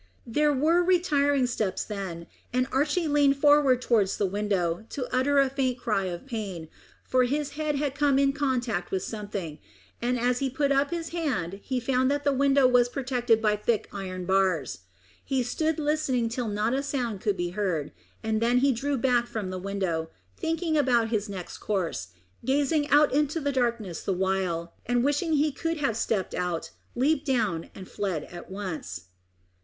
There were retiring steps then, and Archy leaned forward towards the window, to utter a faint cry of pain, for his head had come in contact with something, and as he put up his hand he found that the window was protected by thick iron bars. He stood listening till not a sound could be heard, and then he drew back from the window, thinking about his next course, gazing out into the darkness the while, and wishing he could have stepped out, leaped down, and fled at once.